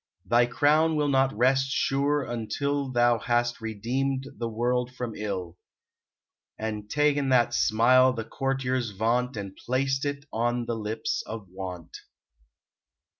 Thy crown will not rest sure until Thou hast redeemed the world from ill, And ta en the smile thy courtiers vaunt And placed it on the lips of Want